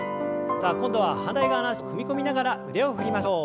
さあ今度は反対側の脚を踏み込みながら腕を振りましょう。